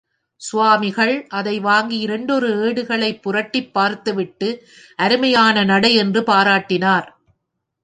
சுவாமிகள் அதை வாங்கி இரண்டொரு ஏடுகளைப் புரட்டிப் பார்த்துவிட்டு, அருமையான நடை என்று பாராட்டினார்.